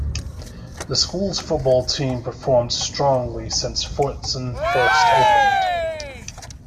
The school's football team performed strongly since Fordson first opened.